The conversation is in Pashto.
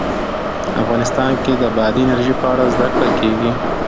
افغانستان کې د بادي انرژي په اړه زده کړه کېږي.